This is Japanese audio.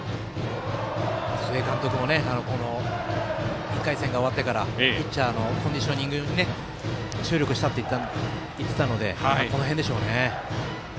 須江監督も１回戦が終わってからピッチャーのコンディショニングに注力したと言っていたのでこの辺に表れているでしょうね。